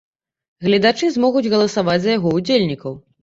Гледачы змогуць галасаваць за яго ўдзельнікаў.